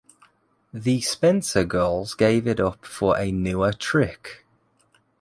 The Spencer girls gave it up for a newer trick.